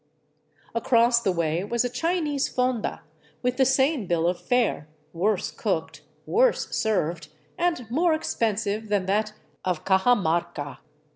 Across the way was a Chinese fonda with the same bill of fare, worse cooked, worse served, and more expensive than that of Cajamarca.